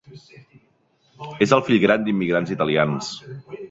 És el fill gran d'immigrants italians.